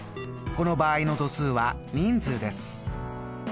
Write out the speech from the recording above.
この場合の度数は人数です。